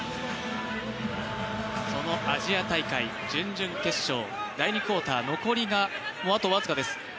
そのアジア大会準々決勝、第２クオーター残りが、もうあと僅かです。